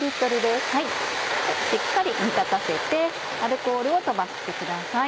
しっかり煮立たせてアルコールを飛ばしてください。